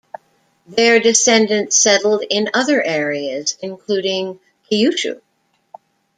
Their descendants settled in other areas, including Kyushu.